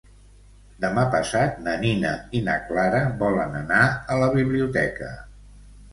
Demà passat na Nina i na Clara volen anar a la biblioteca.